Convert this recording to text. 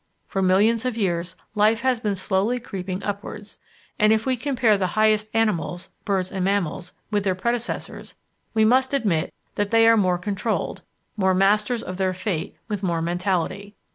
For millions of years Life has been slowly creeping upwards, and if we compare the highest animals Birds and Mammals with their predecessors, we must admit that they are more controlled, more masters of their fate, with more mentality.